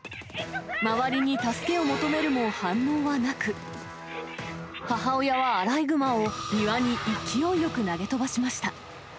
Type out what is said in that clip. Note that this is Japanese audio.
周りに助けを求めるも、反応はなく、母親はアライグマを庭に勢いよく投げ飛ばしました。